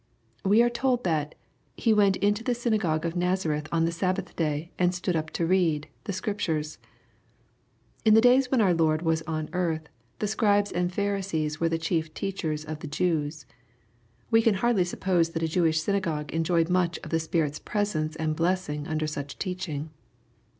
We are told that " He went into the synagogue of Nazareth on the Sabbath day, and stood up to read'' the Scriptures. In the days when our Lord was on earth, the Scribes and Pharisees were the chief teachers of the Jews. We can hardly suppose that a Jewish synagogue enjoyed much of the Spirit's presence and blessing under such teaching.